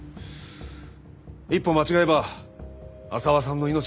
一歩間違えば浅輪さんの命も危なかった。